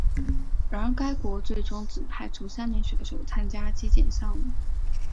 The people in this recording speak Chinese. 然而该国最终只派出三名选手参加击剑项目。